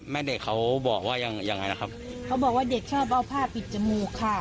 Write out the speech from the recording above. แม่เด็กเขาบอกว่ายังยังไงล่ะครับเขาบอกว่าเด็กชอบเอาผ้าปิดจมูกค่ะ